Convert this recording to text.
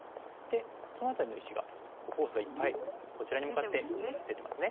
この辺りの石がフォースがいっぱいこちらに向かって出てますね。